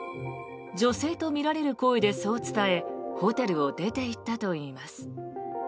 女性とみられる声でそう伝えホテルを出ていったといいます。